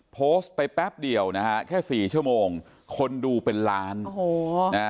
โพสต์ไปแป๊บเดียวนะฮะแค่๔ชั่วโมงคนดูเป็นล้าน